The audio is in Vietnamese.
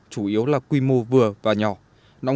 chủ yếu là quy mô vừa và nhỏ